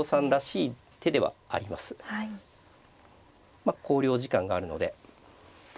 まあ考慮時間があるのでさあ